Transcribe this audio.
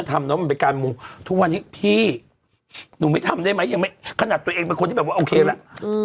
ทุกวันนี้พี่หนูไม่ทำได้ไหมยังไม่ขนาดตัวเองเป็นคนที่แบบว่าโอเคแล้ว